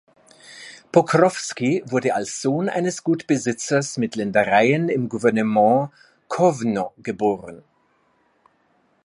Pokrowski wurde als Sohn eines Gutsbesitzers mit Ländereien im Gouvernement Kowno geboren.